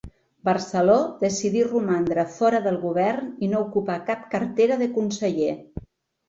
Barceló decidí romandre fora del govern i no ocupar cap cartera de conseller.